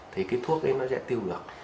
thì cái thuốc đấy nó sẽ tiêu được